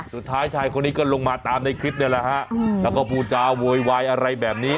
สุดท้ายชายคนนี้ก็ลงมาตามในคลิปนี่แหละฮะแล้วก็พูดจาโวยวายอะไรแบบนี้